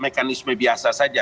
mekanisme biasa saja